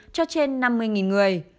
cho trên năm mươi người